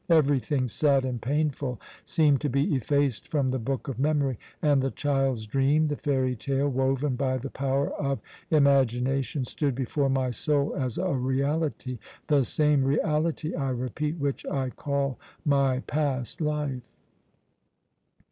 Everything sad and painful seemed to be effaced from the book of memory; and the child's dream, the fairy tale woven by the power of imagination, stood before my soul as a reality the same reality, I repeat, which I call my past life.